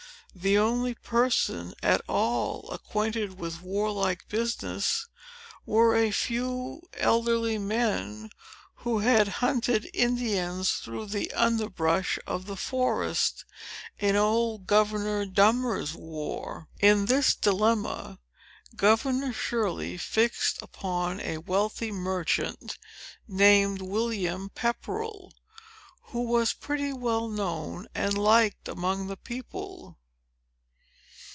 The only persons, at all acquainted with warlike business, were a few elderly men, who had hunted Indians through the underbrush of the forest, in old Governor Dummer's war. In this dilemma, Governor Shirley fixed upon a wealthy merchant, named William Pepperell, who was pretty well known and liked among the people.